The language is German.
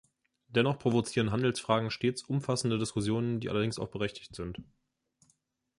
Dennoch provozieren Handelsfragen stets umfassende Diskussionen, die allerdings auch berechtigt sind.